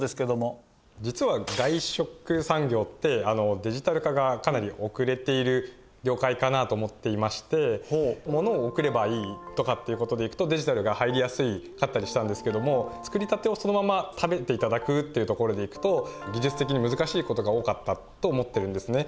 実は外食産業ってデジタル化がかなり遅れている業界かなと思っていましてものを送ればいいとかっていうことでいくとデジタルが入りやすかったりしたんですけども作りたてをそのまま食べていただくっていうところでいくと技術的に難しいことが多かったと思ってるんですね。